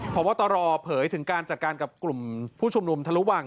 พบตรเผยถึงการจัดการกับกลุ่มผู้ชุมนุมทะลุวัง